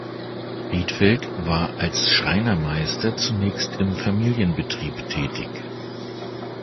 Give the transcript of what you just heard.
Rietveld war als Schreinermeister zunächst im Familienbetrieb tätig.